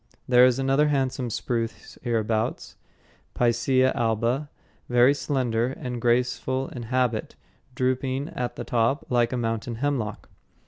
There is another handsome spruce hereabouts, Picea alba, very slender and graceful in habit, drooping at the top like a mountain hemlock.